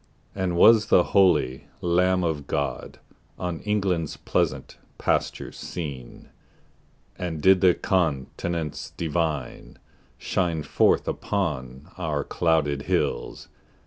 And was the holy Lamb of God On England's pleasant pastures seen? And did the Countenance Divine Shine forth upon our clouded hills?